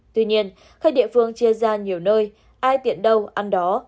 tuy nhiên khách địa phương chia ra nhiều nơi ai tiện đâu ăn đó